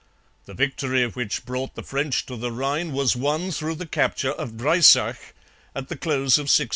The victory which brought the French to the Rhine was won through the capture of Breisach, at the close of 1638.